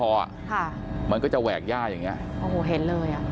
อ่ะค่ะมันก็จะแหวกย่าอย่างเงี้โอ้โหเห็นเลยอ่ะ